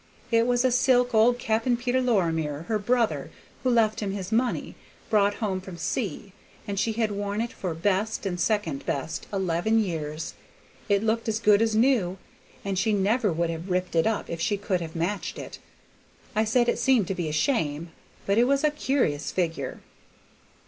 It was a silk old Cap'n Peter Lorimer, her brother, who left 'em his money, brought home from sea, and she had worn it for best and second best eleven year. It looked as good as new, and she never would have ripped it up if she could have matched it. I said it seemed to be a shame, but it was a curi's figure.